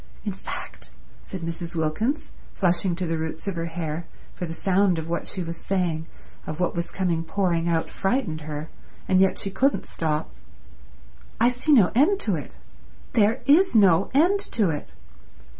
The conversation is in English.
In fact," said Mrs. Wilkins, flushing to the roots of her hair, for the sound of what she was saying, of what was coming pouring out, frightened her, and yet she couldn't stop, "I see no end to it. There is no end to it.